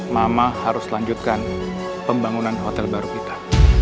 mama harus lanjutkan pembangunan hotel baru kita